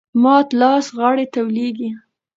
مات لاس غاړي ته لویږي .